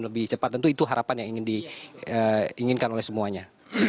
lebih cepat tentu itu harapan yang inginkan oleh semuanya